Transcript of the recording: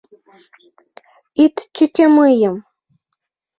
Ит тӱкӧ мыйым!